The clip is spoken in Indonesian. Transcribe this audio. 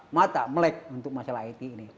mata melek untuk masalah it ini